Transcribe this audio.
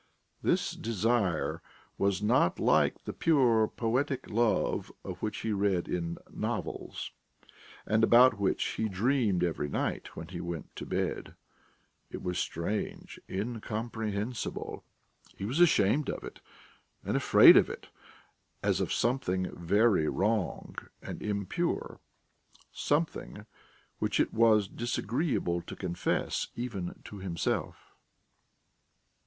This desire was not like the pure, poetic love of which he read in novels and about which he dreamed every night when he went to bed; it was strange, incomprehensible; he was ashamed of it, and afraid of it as of something very wrong and impure, something which it was disagreeable to confess even to himself.